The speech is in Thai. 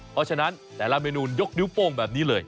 เพราะฉะนั้นแต่ละเมนูยกนิ้วโป้งแบบนี้เลย